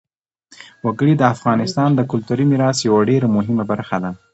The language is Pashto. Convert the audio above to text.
وګړي د افغانستان د کلتوري میراث یوه ډېره مهمه برخه ده.